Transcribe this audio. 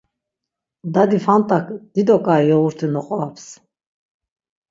Dadi Fant̆ak dido k̆ai yoğurti noqvaps.